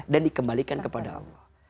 dan dikembalikan kepada allah